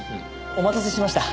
お待たせしました。